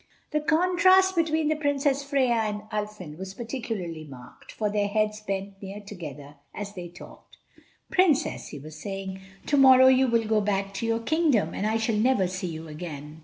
The contrast between the Princess Freia and Ulfin was particularly marked, for their heads bent near together as they talked. "Princess," he was saying, "tomorrow you will go back to your kingdom, and I shall never see you again."